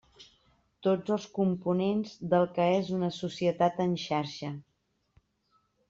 Tots els components del que és una societat en xarxa.